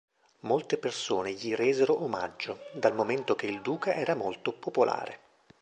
Molte persone gli resero omaggio, dal momento che il duca era molto popolare.